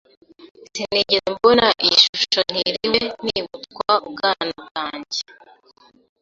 Sinigeze mbona iyi shusho ntiriwe nibutswa ubwana bwanjye.